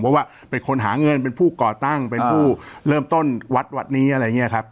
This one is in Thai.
เพราะว่าเป็นคนหาเงินเป็นผู้ก่อตั้งเป็นผู้เริ่มต้นวัดวัดนี้อะไรอย่างนี้ครับ